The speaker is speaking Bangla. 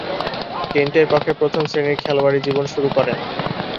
কেন্টের পক্ষে প্রথম-শ্রেণীর খেলোয়াড়ী জীবন শুরু করেন।